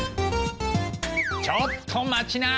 ちょっと待ちな！